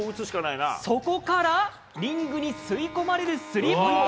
そこからリングに吸い込まれるスリーポイント。